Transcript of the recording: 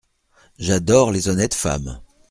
J’adore les honnêtes femmes !…